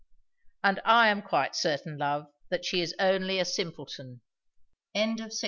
"And I am quite certain, love, that she is only a simpleton." CHAPTER II.